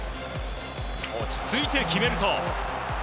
落ち着いて決めると。